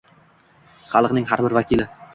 xalqning har bir vakili